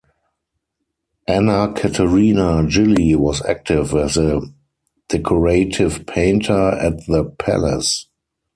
Anna Caterina Gilli was active as a decorative painter at the palace.